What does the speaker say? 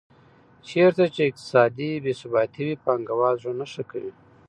چېرته چې اقتصادي بې ثباتي وي پانګوال زړه نه ښه کوي.